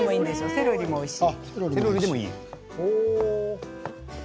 セロリもおいしい。